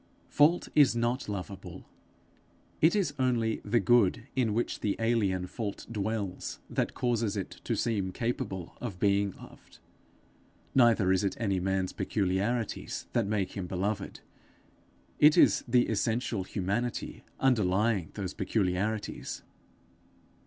Fault is not lovable; it is only the good in which the alien fault dwells that causes it to seem capable of being loved. Neither is it any man's peculiarities that make him beloved; it is the essential humanity underlying those peculiarities.